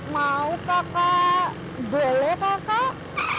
mau kakak boleh kakak